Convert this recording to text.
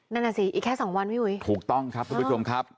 นั่นน่ะสิอีกแค่สองวันพี่อุ๋ยถูกต้องครับทุกผู้ชมครับ